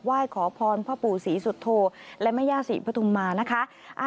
ยขอพรพ่อปู่ศรีสุโธและแม่ย่าศรีปฐุมมานะคะ